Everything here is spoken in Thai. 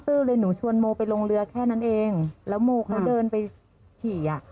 เลยหนูชวนโมไปลงเรือแค่นั้นเองแล้วโมเขาเดินไปขี่อ่ะ